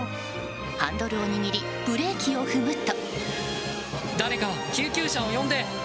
ハンドルを握りブレーキを踏むと。